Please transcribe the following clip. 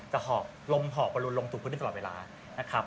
จะหอบลมรมหอบบรรลูลูกจุดพื้นได้ตลอดเวลานะครับ